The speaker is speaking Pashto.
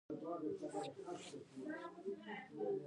د کاناډا ګوز جاکټونه مشهور دي.